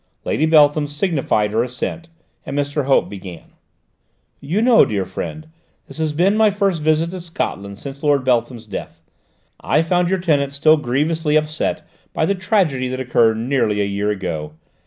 Lady Beltham signified her assent, and Mr. Hope began. "You know, dear friend, this has been my first visit to Scotland since Lord Beltham's death. I found your tenants still grievously upset by the tragedy that occurred nearly a year ago.